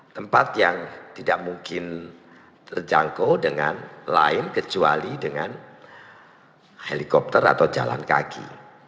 tempat yang tidak mungkin terjangkau dengan lain kecuali dengan helikopter atau jalan kaki